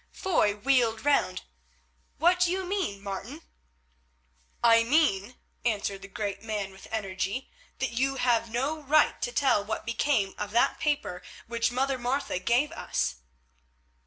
Foy wheeled round. "What do you mean, Martin?" "I mean," answered the great man with energy, "that you have no right to tell what became of that paper which Mother Martha gave us."